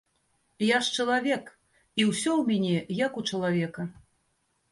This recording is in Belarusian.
Я ж чалавек, і ўсё ў міне як у чалавека.